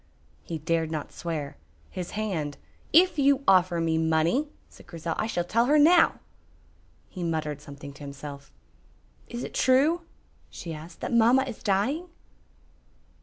He dared not swear. His hand "If you offer me money," said Grizel, "I shall tell her now." He muttered something to himself. "Is it true?" she asked, "that mamma is dying?"